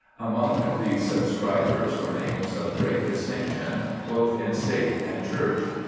Among the subscribers were names of great distinction both in state and church.